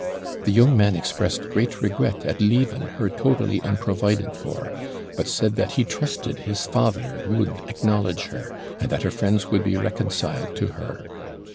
The young man expressed great regret at leaving her totally unprovided for; but said that he trusted his father would acknowledge her, and that her friends would be reconciled to her.